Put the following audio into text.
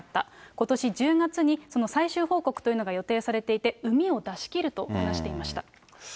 ことし１０月に、その最終報告というのが予定されていて、うみを出し切ると話していました。